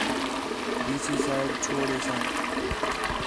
ڈی سی صاحب چھوڑ ہے سب